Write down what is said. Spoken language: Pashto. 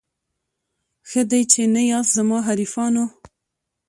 ښه دی چي نه یاست زما حریفانو